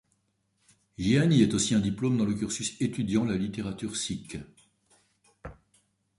Gyani est aussi un diplôme dans le cursus étudiant la littérature sikhe.